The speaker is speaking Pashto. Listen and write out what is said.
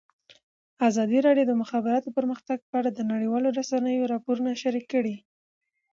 ازادي راډیو د د مخابراتو پرمختګ په اړه د نړیوالو رسنیو راپورونه شریک کړي.